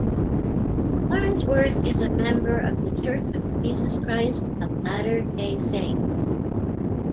Farnsworth is a member of the Church of Jesus Christ of Latter-day Saints.